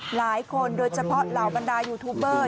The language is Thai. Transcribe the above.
หลายคนโดยเฉพาะเหล่าบรรดายูทูบเบอร์